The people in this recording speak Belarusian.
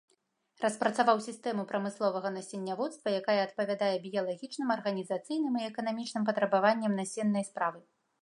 Распрацаваў сістэму прамысловага насенняводства, якая адпавядае біялагічным, арганізацыйным і эканамічным патрабаванням насеннай справы.